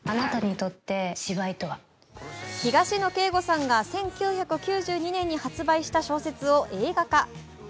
東野圭吾さんが１９９２年に発売した小説を映画化。